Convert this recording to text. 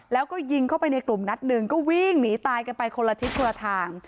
แล้วก็ยิงเข้าไปในกลุ่มนัดหนึ่งก็วิ่งหนีตายกันไปคนละทิศคนละทาง